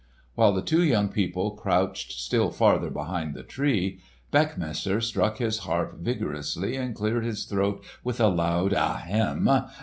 While the two young people crouched still farther behind the tree, Beckmesser struck his harp vigorously and cleared his throat with a loud ahem!